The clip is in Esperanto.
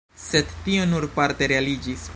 Sed tio nur parte realiĝis.